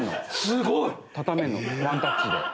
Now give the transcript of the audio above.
すごい！畳めるのワンタッチで。